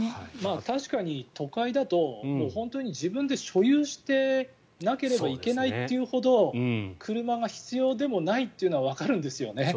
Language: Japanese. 確かに都会だと自分で所有してなければいけないというほど車が必要でもないというのはわかるんですよね。